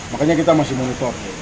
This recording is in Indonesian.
makanya kita masih menutup